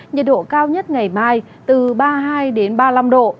nhiệt độ cao nhất ngày mai từ ba mươi hai ba mươi năm độ